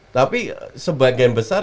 tapi sebagian besar